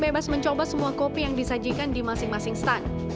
bebas mencoba semua kopi yang disajikan di masing masing stand